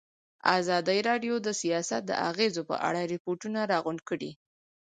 ازادي راډیو د سیاست د اغېزو په اړه ریپوټونه راغونډ کړي.